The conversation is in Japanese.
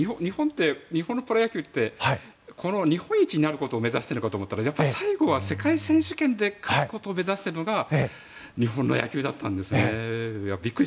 日本のプロ野球って日本一になることを目指しているのかと思ったらやっぱり最後は世界選手権で勝つことを目指しているのが日本の野球だったんですね。